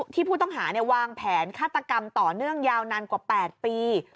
ผู้ต้องหาวางแผนฆาตกรรมต่อเนื่องยาวนานกว่า๘ปี